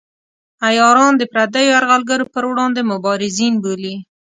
عیاران د پردیو یرغلګرو پر وړاندې مبارزین بولي.